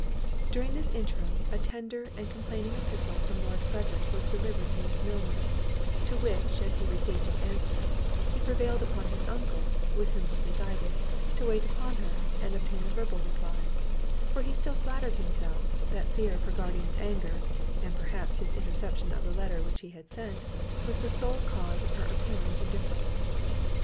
During this interim a tender and complaining epistle from Lord Frederick was delivered to Miss Milner; to which, as he received no answer, he prevailed upon his uncle, with whom he resided, to wait upon her, and obtain a verbal reply; for he still flattered himself, that fear of her guardian's anger, or perhaps his interception of the letter which he had sent, was the sole cause of her apparent indifference.